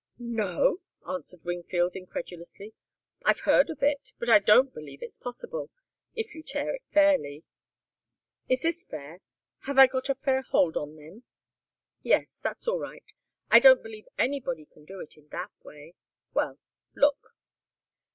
"No," answered Wingfield, incredulously. "I've heard of it but I don't believe it's possible, if you tear it fairly." "Is this fair? Have I got a fair hold on them?" "Yes that's all right. I don't believe anybody can do it that way." "Well look."